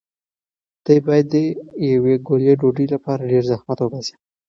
دی باید د یوې ګولې ډوډۍ لپاره ډېر زحمت وباسي.